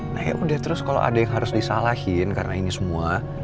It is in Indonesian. nah yaudah terus kalau ada yang harus disalahin karena ini semua